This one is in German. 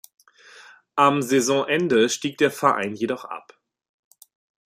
Am Saisonende stieg der Verein jedoch ab.